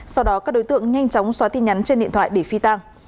sau đó các đối tượng nhanh chóng xóa tin nhắn trên điện thoại để phi tang